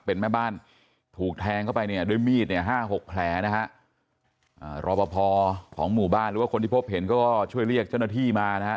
เป็นแม่บ้านถูกแทงเข้าไปเนี่ยด้วยมีดเนี่ยห้าหกแผลนะฮะรอปภของหมู่บ้านหรือว่าคนที่พบเห็นก็ช่วยเรียกเจ้าหน้าที่มานะฮะ